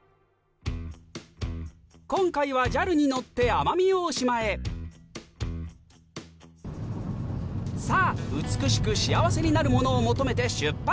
今回はＪＡＬに乗って奄美大島へさぁ美しく幸せになるものを求めて出発！